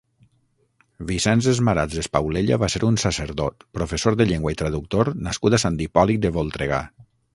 Vicenç Esmarats Espaulella va ser un sacerdot, professor de llengua i traductor nascut a Sant Hipòlit de Voltregà.